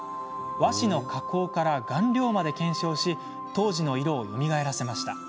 和紙の加工から顔料まで検証し当時の色をよみがえらせました。